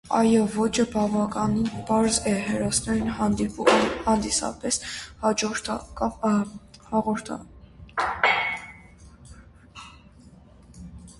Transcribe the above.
Այս ոճը բավականին պարզ է՝ հերոսներ, հանդիսատես, հաղորդավար, հարցեր և պատասխաններ։